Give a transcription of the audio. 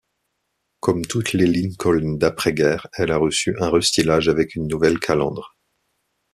Comme toutes les Lincoln d'après-guerre, elle a reçu un restylage, avec une nouvelle calandre.